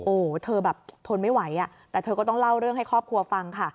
โอ้โหเธอแบบทนไม่ไหวอ่ะแต่เธอก็ต้องเล่าเรื่องให้ครอบครัวฟังค่ะ